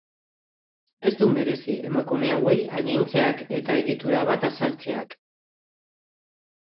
Ez du merezi emakume hauei agintzeak eta egitura bat azaltzeak.